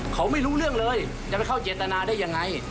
เขาไม่รู้เรื่องเลยจะไปเข้าเจตนาได้ยังไง